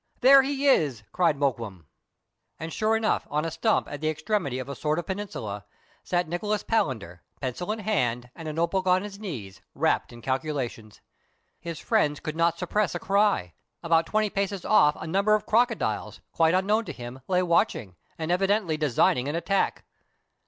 There he is !" cried Mokoum. I04 MERIDIANA ; THE ADVENTURES OF And sure enough, on a stump at the extremity of a sort of peninsula, sat Nicholas Palander, pencil in hand, and a note book on his knees, wrapt in calculations. His friends could not suppress a cry. About twenty paces off a num ber of crocodiles, quite unknown to him, lay watching, and evidently designing an attack.